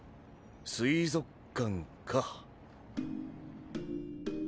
水族館か。